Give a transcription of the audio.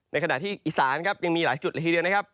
ในขณะที่อีสานครับยังมีหลายจุดละทีเดียวนะครับ